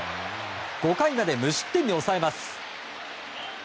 ５回まで無失点に抑えます。